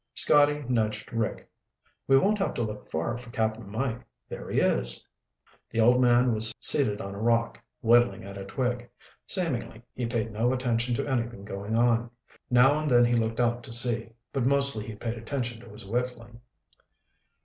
Scotty nudged Rick. "We won't have to look far for Cap'n Mike. There he is." The old man was seated on a rock, whittling at a twig. Seemingly, he paid no attention to anything going on. Now and then he looked out to sea, but mostly he paid attention to his whittling.